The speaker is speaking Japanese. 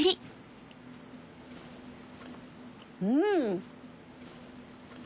うん！